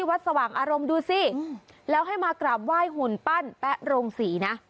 สว่างอารมณ์ดูสิแล้วให้มากราบไหว้หุ่นปั้นแป๊ะโรงศรีนะ